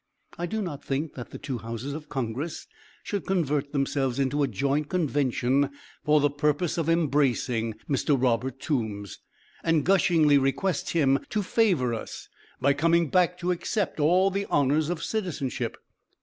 I do not think that the two Houses of Congress should convert themselves into a joint convention for the purpose of embracing Mr. Robert Toombs, and gushingly request him to favor us by coming back to accept of all the honors of citizenship.